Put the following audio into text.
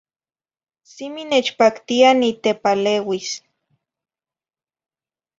Simi nechpactia nitepaleuis.